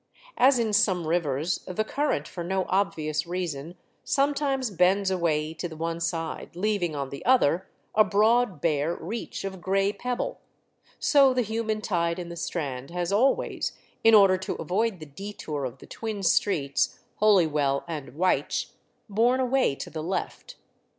As in some rivers the current, for no obvious reason, sometimes bends away to the one side, leaving on the other a broad bare reach of grey pebble, so the human tide in the Strand has always, in order to avoid the detour of the twin streets (Holywell and Wych), borne away to the left.